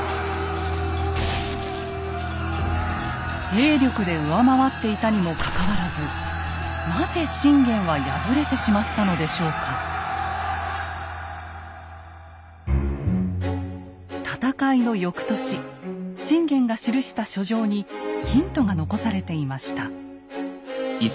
兵力で上回っていたにもかかわらずなぜ信玄は戦いのよくとし信玄が記した書状にヒントが残されていました。